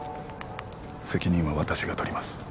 責任は私が取ります